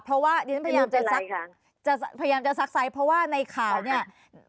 เพราะว่าดิฉันพยายามจะซักใสเพราะว่าในข่าวเนี่ย